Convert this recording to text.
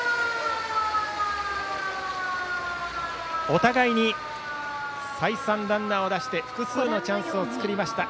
お互い再三ランナーを出し複数のチャンスを作りました。